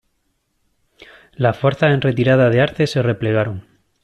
Las fuerzas en retirada de Arze se replegaron.